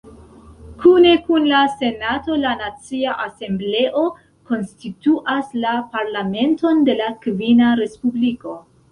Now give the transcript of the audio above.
Kune kun la Senato, la Nacia Asembleo konstituas la Parlamenton de la Kvina Respubliko.